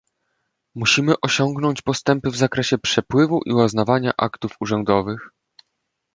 Musimy osiągnąć postępy w zakresie przepływu i uznawania aktów urzędowych